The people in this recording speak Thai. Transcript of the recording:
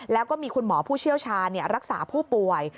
แล้วก็มีคุณหมอผู้เชี่ยวชาญรักษาผู้ป่วย